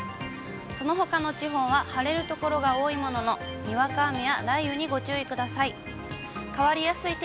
そのほかの地方は晴れる所が多いものの、にわか雨や雷雨にご注意ください。